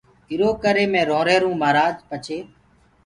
ايٚرو ڪري مي روهيروئونٚ مهآرآج پڇي